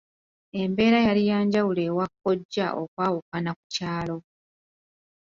Embeera yali ya njawulo ewa kkojja okwawukana ku kyalo.